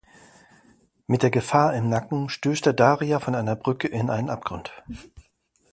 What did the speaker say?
Mit der Gefahr im Nacken stößt er Daria von einer Brücke in einen Abgrund.